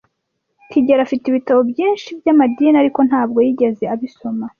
kigeli afite ibitabo byinshi by’amadini, ariko ntabwo yigeze abisoma.